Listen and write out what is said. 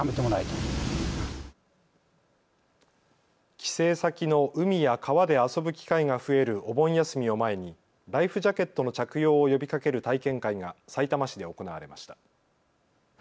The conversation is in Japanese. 帰省先の海や川で遊ぶ機会が増えるお盆休みを前にライフジャケットの着用を呼びかける体験会がさいたま市で行われました。